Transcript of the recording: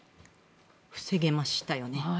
防げましたよね。